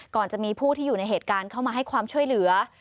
ก่อนจะมีผู้ที่อยู่ในเหตุการณ์เข้ามาให้ความช่วยเหลือ